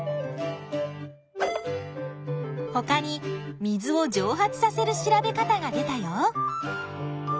ほかに水を蒸発させる調べ方が出たよ。